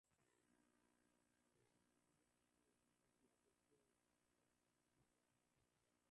kwa kutumia sana bangi cocaine pombe na muda mwingine